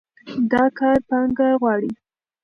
دا کار پانګه غواړي.